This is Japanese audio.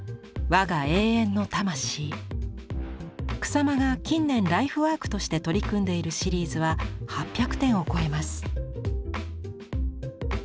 草間が近年ライフワークとして取り組んでいるシリーズは８００点を超えます。